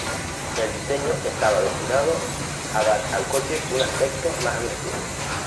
El diseño estaba destinado a dar al coche un aspecto más agresivo.